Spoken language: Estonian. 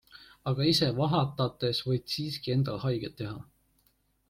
Aga ise vahatades võid siiski endale haiget teha.